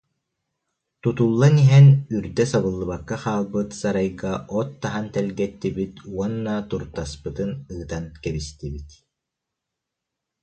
Тутуллан иһэн үрдэ сабыллыбакка хаалбыт сарайга от таһан тэлгэттибит уонна туртаспытын ыытан кэбистибит